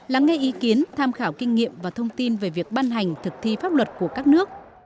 lắng nghe ý kiến tham khảo kinh nghiệm và thông tin về việc ban hành thực thi pháp luật của các nước